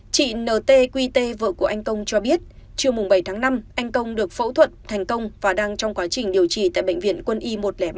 chị n t quy t vợ của anh công cho biết trưa bảy tháng năm anh công được phẫu thuật thành công và đang trong quá trình điều trị tại bệnh viện quân y một trăm linh ba